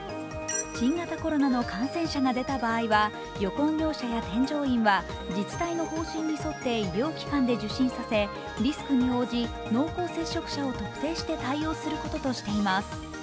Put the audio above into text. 新型コロナの感染者が出た場合は旅行業者や添乗員は自治体の方針に沿って医療機関を受診させリスクに応じ、濃厚接触者を特定して対応することとしています。